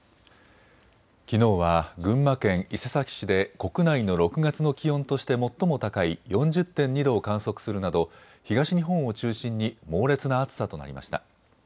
きのうは群馬県伊勢崎市で国内の６月の気温として最も高い４０．２度を観測するなど東日本を中心に猛烈な暑さとなりました。